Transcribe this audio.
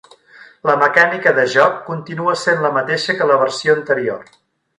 La mecànica de joc continua sent la mateixa que la versió anterior.